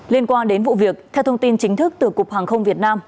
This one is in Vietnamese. liên quan đến vụ việc theo thông tin chính thức từ cục hàng không việt nam